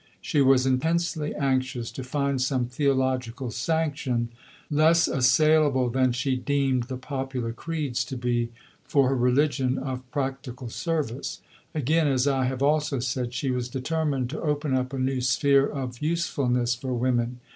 She was intensely anxious to find some theological sanction, less assailable than she deemed the popular creeds to be, for her religion of practical service. Again, as I have also said, she was determined to open up a new sphere of usefulness for women.